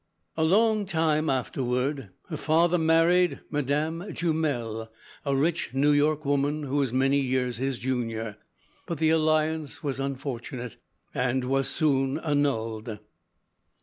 A long time afterward, her father married Madame Jumel, a rich New York woman who was many years his junior, but the alliance was unfortunate, and was soon annulled.